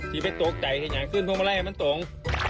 ฮีติญาณของนักสิ่ง